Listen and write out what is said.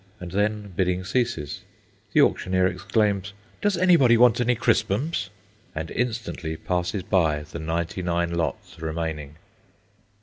And then bidding ceases. The auctioneer exclaims, "Does anybody want any crispums?" and instantly passes by the ninety nine lots remaining.